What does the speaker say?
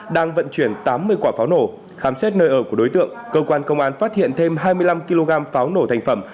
trong truyền tám mươi quả pháo nổ khám xét nơi ở của đối tượng cơ quan công an phát hiện thêm hai mươi năm kg pháo nổ thành phẩm